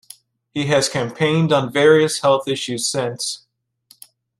He has campaigned on various health issues since.